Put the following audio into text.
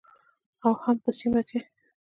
او هم په سیمه کې